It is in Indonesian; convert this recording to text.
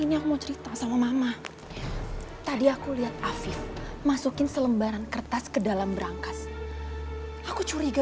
nanti aku mau cerita sama mama tadi aku lihat infof utilities ke dalam perangkas aku curiga